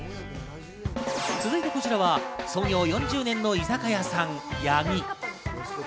続いてこちらは創業４０年の居酒屋さん、やぎ。